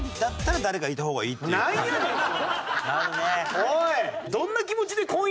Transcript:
おい！